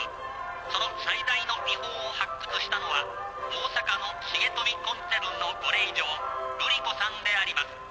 その最大の遺宝を発掘したのは大阪の重富コンツェルンのご令嬢瑠璃子さんであります。